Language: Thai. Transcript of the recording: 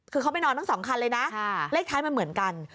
คือเขาไปนอนทั้งสองคันเลยนะเลขท้ายมันเหมือนกัน